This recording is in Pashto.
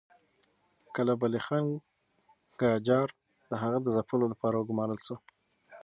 کلب علي خان قاجار د هغه د ځپلو لپاره وګمارل شو.